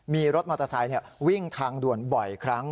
มีรถมอเตอร์ไซค์วิ่งทางด่วนบ่อยครั้ง